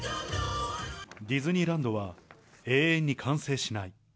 ディズニーランドは永遠に完成しない。